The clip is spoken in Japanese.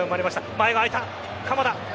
前が空いた、鎌田。